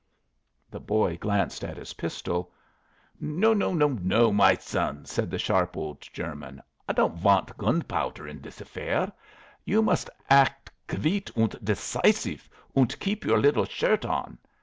The boy glanced at his pistol. "No, no, no, my son," said the sharp old German. "I don't want gunpowder in dis affair. You must act kviet und decisif und keep your liddle shirt on.